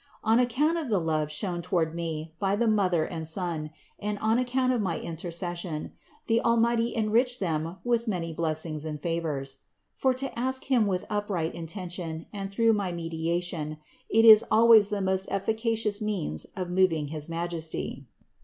On account of the love shown toward me by the mother and son, and on account of my inter cession, the Almighty enriched them with many blessings and favors. For to ask Him with upright intention and through my mediation, is always the most efficacious means of moving his Majesty.